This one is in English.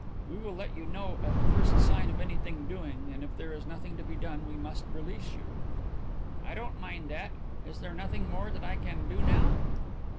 We will let you know at the first sign of anything doing and if there is nothing to be done we must release you." "I don't mind that. Is there nothing more that I can do now?"